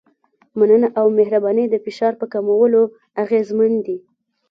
مننه او مهرباني د فشار په کمولو اغېزمن دي.